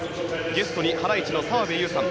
ゲストにハライチの澤部佑さん